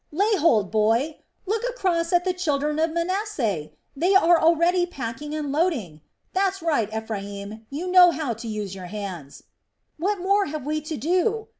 Lay hold, boy! Look across at the children of Manasseh, they are already packing and loading. That's right, Ephraim, you know how to use your hands! "What more have we to do!